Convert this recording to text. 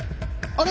あれ？